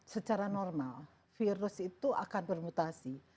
secara normal virus itu akan bermutasi